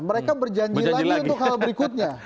mereka berjanji lagi untuk hal berikutnya